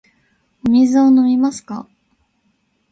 お水を飲みますか。